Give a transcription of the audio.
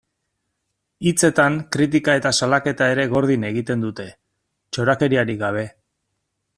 Hitzetan, kritika eta salaketa ere gordin egiten dute, txorakeriarik gabe.